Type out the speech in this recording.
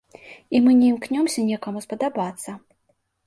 І мы не імкнёмся некаму спадабацца.